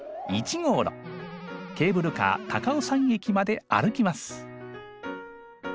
ケーブルカー高尾山駅まで歩きます。